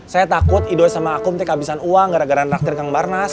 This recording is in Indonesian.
saya takut idoi sama akum tek abisan uang gara gara traktir kang barnas